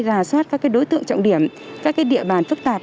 rà soát các đối tượng trọng điểm các địa bàn phức tạp